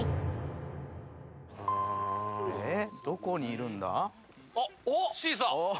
どこにいるんだ？